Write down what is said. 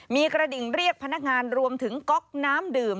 มีกระดิ่งเรียกพนักงานรวมถึงก๊อกน้ำดื่ม